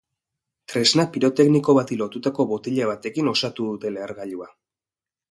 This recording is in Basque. Tresna pirotekniko bati lotutako botila batekin osatu dute lehergailua.